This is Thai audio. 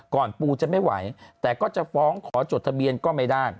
ปูจะไม่ไหวแต่ก็จะฟ้องขอจดทะเบียนก็ไม่ได้